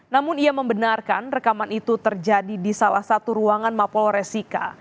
namun ia membenarkan rekaman itu terjadi di salah satu ruangan mapol resika